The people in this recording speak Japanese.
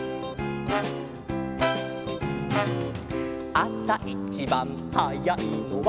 「あさいちばんはやいのは」